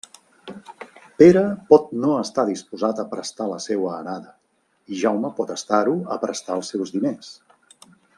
Pere pot no estar disposat a prestar la seua arada, i Jaume pot estar-ho a prestar els seus diners.